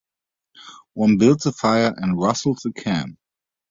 One builds a fire and rustles a can.